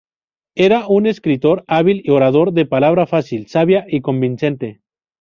Era un escritor hábil y orador de palabra fácil, sabia y convincente.